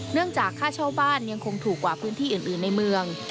เนื่องจากค่าเช่าบ้านยังคงถูกกว่าพื้นที่อื่นในเมือง